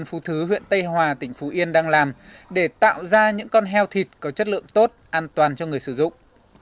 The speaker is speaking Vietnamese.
đây là cách mà ông nguyễn quốc trị ở khu phố phước thịnh thị trần phú yên đang làm để tạo ra những con heo thịt có chất lượng tốt an toàn cho người sử dụng